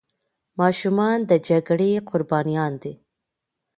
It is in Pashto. ماشومان د جګړې قربانيان دي.